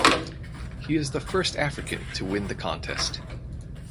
He is the first African to win the contest.